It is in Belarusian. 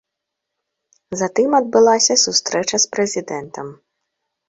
Затым адбылася сустрэча з прэзідэнтам.